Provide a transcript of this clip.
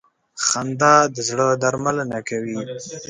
خندا د زړه درملنه کوي.